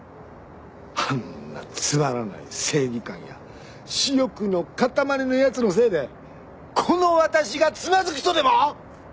あんなつまらない正義感や私欲の塊のやつのせいでこの私がつまずくとでも！？